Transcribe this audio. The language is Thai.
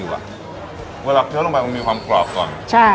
เวลาเคี้ยวลงไปมันมีความกรอบก่อน